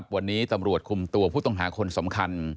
วันนี้ตำรวจคุมตัวผู้ต้องหาคนสำคัญ